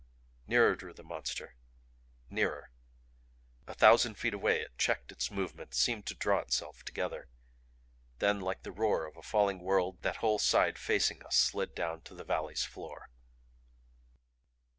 Nearer drew the Monster nearer. A thousand feet away it checked its movement, seemed to draw itself together. Then like the roar of a falling world that whole side facing us slid down to the valley's floor.